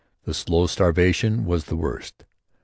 The slow starvation was the worst.